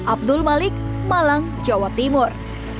abdul malik malang jawa timur